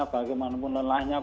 bagaimanapun susahnya kita selesaikan